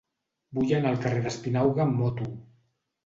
Vull anar al carrer d'Espinauga amb moto.